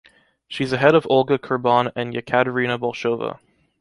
She's ahead of Olga Kurban and Yekaterina Bolshova.